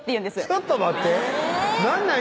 ちょっと待って何なん？